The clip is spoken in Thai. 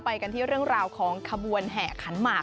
ไปกันที่เรื่องราวของขบวนแห่ขันหมาก